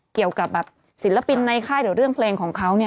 เกี่ยวกับแบบศิลปินในค่ายหรือเรื่องเพลงของเขาเนี่ย